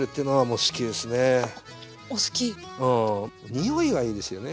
匂いがいいですよね